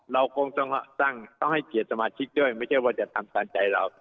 เราคงต้องให้เกียรติสมาชิกด้วยไม่ใช่ว่าจะทำตามใจเรา